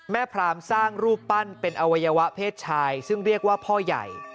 พรามสร้างรูปปั้นเป็นอวัยวะเพศชายซึ่งเรียกว่าพ่อใหญ่